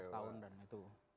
setahun dan itu